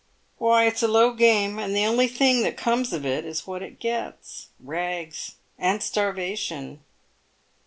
Why, it's a low game, and the only thing that comes of it is what it gets — rags and starvation.